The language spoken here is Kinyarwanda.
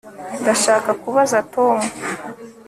ndashaka kubaza tom